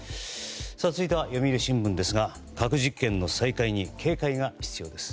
続いては読売新聞ですが核実験の再開に注意が必要です。